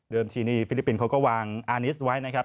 ที่นี่ฟิลิปปินส์เขาก็วางอาร์นิสไว้นะครับ